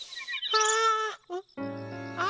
ああ。